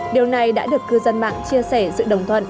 điều này đã được cư dân mạng chia sẻ sự đồng thuận